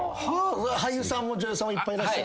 俳優さんも女優さんもいっぱいいらっしゃる。